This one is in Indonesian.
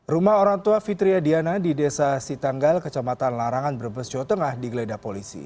rumah orang tua fitriya diana di desa sitanggal kecamatan larangan brebes jawa tengah digeledah polisi